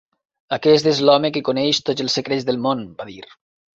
"Aquest és l'home que coneix tots els secrets del món", va dir.